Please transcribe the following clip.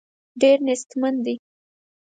ډېر نېستمن دي.